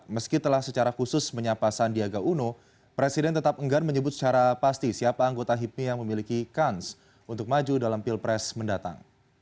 meski telah secara khusus menyapa sandiaga uno presiden tetap enggan menyebut secara pasti siapa anggota hipmi yang memiliki kans untuk maju dalam pilpres mendatang